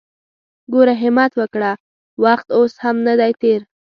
ګوره همت وکړه! وخت اوس هم ندی تېر!